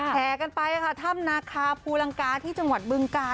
แท่กันไปธรรมนาคาภูรังกาที่จังหวัดบึงการค่ะ